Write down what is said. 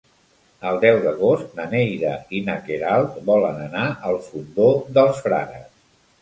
El deu d'agost na Neida i na Queralt volen anar al Fondó dels Frares.